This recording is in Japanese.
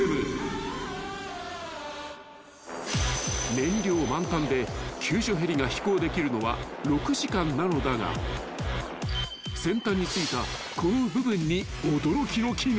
［燃料満タンで救助ヘリが飛行できるのは６時間なのだが先端に付いたこの部分に］